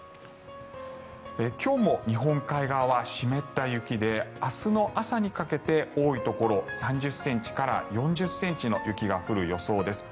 今日も日本海側は湿った雪で明日の朝にかけて多いところ３０ｃｍから４０ｃｍの雪が降る予想です。